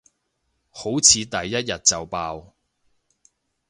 好似第一日就爆